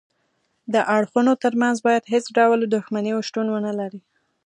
د اړخونو ترمنځ باید هیڅ ډول دښمني شتون ونلري